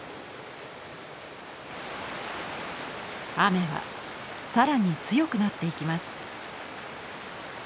雨は更に強くなっていきます。